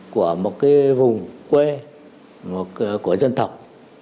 của một vùng quê của dân tộc